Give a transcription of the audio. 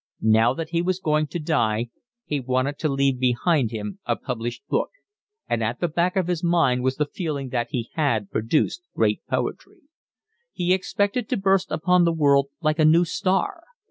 Now that he was going to die he wanted to leave behind him a published book, and at the back of his mind was the feeling that he had produced great poetry. He expected to burst upon the world like a new star.